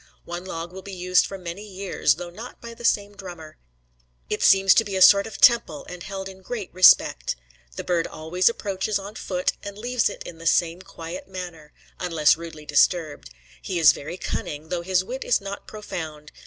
One log will be used for many years, though not by the same drummer. It seems to be a sort of temple and held in great respect. The bird always approaches on foot, and leaves it in the same quiet manner, unless rudely disturbed. He is very cunning, though his wit is not profound.